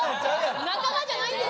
仲間じゃないんですか？